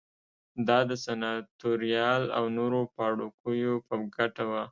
دا د سناتوریال او نورو پاړوکیو په ګټه وه